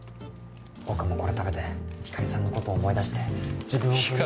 僕もこれ食べて光莉さんのこと思い出して自分を奮い。